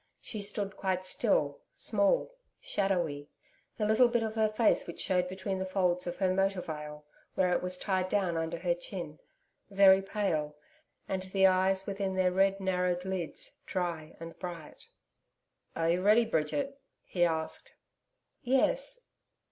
She stood quite still, small, shadowy, the little bit of her face which showed between the folds of her motor veil, where it was tied down under her chin very pale, and the eyes within their red, narrowed lids, dry and bright. 'Are you ready, Bridget?' he asked. 'Yes.'